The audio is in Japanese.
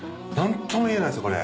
何とも言えないです